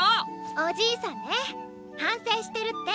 おじいさんね反省してるって！